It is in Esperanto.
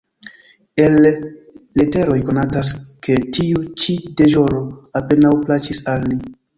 El leteroj konatas ke tiu ĉi deĵoro apenaŭ plaĉis al li.